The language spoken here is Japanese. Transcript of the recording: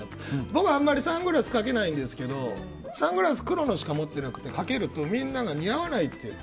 僕、あんまりサングラスかけないんですけどサングラス黒しか持ってなくてかけるとみんなが似合わないって。